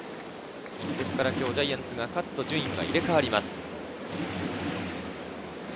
今日ジャイアンツが勝つと順位が入れ替わります。